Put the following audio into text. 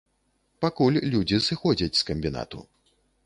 Пакуль людзі сыходзяць з камбінату.